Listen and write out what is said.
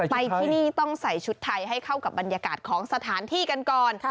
ไปที่นี่ต้องใส่ชุดไทยให้เข้ากับบรรยากาศของสถานที่กันก่อน